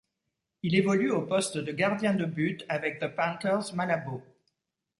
Il évolue au poste de gardien de but avec The Panthers Malabo.